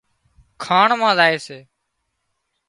کاڻ مان زائي سي